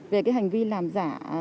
về cái hành vi làm giả